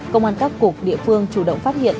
công an các cục địa phương chủ động phát hiện